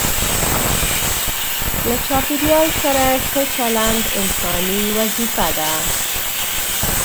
له چاپیریال سره ښه چلند انساني وظیفه ده.